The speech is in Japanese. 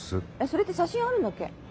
それって写真あるんだっけ？